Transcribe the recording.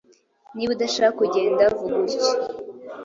Niba udashaka kugenda, vuga utyo.